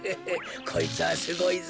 こいつはすごいぞ！